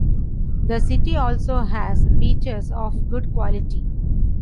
The city also has beaches of good quality.